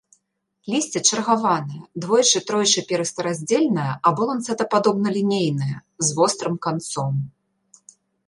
Лісце чаргаванае, двойчы-тройчы перыстараздзельнае або ланцэтападобна-лінейнае, з вострым канцом.